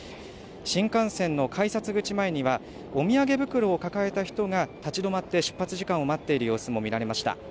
新幹線の改札口前にはお土産袋を抱えた人が立ち止まって出発時間を待っている様子も見られました。